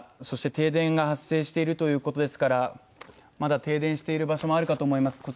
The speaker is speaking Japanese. そして停電が発生しているということですから、まだ停電している場所もあるかと思います